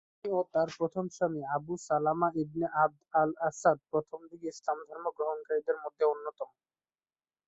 তিনি ও তার প্রথম স্বামী আবু সালামা ইবনে আবদ-আল আসাদ প্রথম যুগে ইসলাম ধর্ম গ্রহণকারীদের মধ্যে অন্যতম।